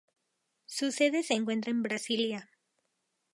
Su sede se encuentra en Brasilia.